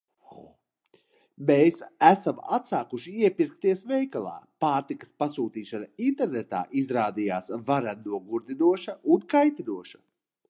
Mēs esam atsākuši iepirkties veikalā – pārtikas pasūtīšana internetā izrādījās varen nogurdinoša un kaitinoša.